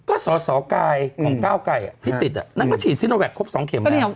ก็สสกายของก้าวไก่ที่ติดนั่นก็ฉีดซิโนแวคครบ๒เข็มแล้ว